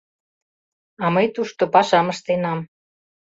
— А мый тушто пашам ыштенам.